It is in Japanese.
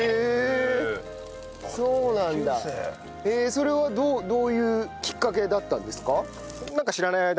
それはどういうきっかけだったんですか？